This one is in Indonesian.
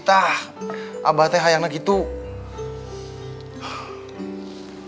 abah teh hayang lagi tuh